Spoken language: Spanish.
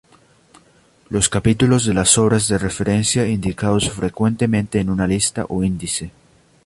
Los capítulos de las obras de referencia indicados frecuentemente en una lista o índice.